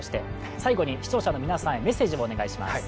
最後に視聴者の皆さんにメッセージをお願いします。